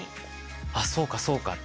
あっそうかそうかって。